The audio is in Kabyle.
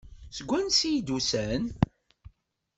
Seg wansi ay d-usan?